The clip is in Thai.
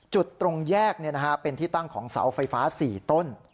ตรงแยกเป็นที่ตั้งของเสาไฟฟ้า๔ต้น